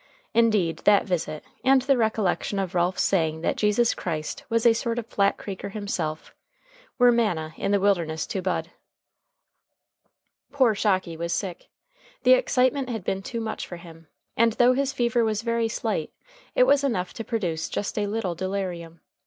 Indeed, that visit, and the recollection of Ralph's saying that Jesus Christ was a sort of a Flat Creeker himself, were manna in the wilderness to Bud. Poor Shocky was sick. The excitement had been too much for him, and though his fever was very slight it was enough to produce just a little delirium.